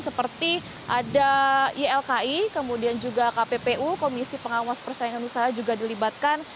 seperti ada ylki kemudian juga kppu komisi pengawas persaingan usaha juga dilibatkan